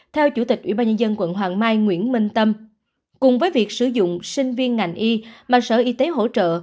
theo chủ tịch ủy ban nhân dân quận hoàng mai nguyễn minh tâm cùng với việc sử dụng sinh viên ngành y mà sở y tế hỗ trợ